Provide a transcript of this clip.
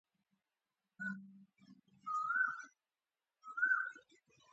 This was the company's foray into direct competition with Sainsbury.